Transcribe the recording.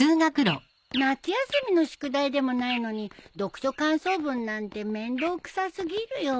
夏休みの宿題でもないのに読書感想文なんて面倒くさ過ぎるよ。